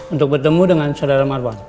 untuk bertemu dengan saudara marwan